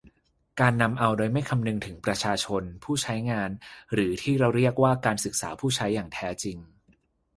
การนำเอาโดยไม่คำนึงถึงประชาชนผู้ใช้งาน หรือ ที่เราเรียกว่าการศึกษาผู้ใช้อย่างแท้จริง